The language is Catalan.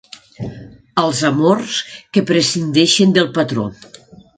Els amors que prescindeixen del patró.